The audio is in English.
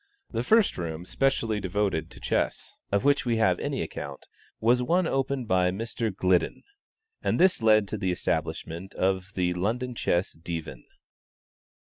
The first room specially devoted to chess, of which we have any account, was one opened by Mr. Gliddon, and this led to the establishment of the London Chess Divan.